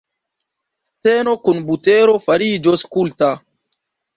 Sceno kun butero fariĝos kulta.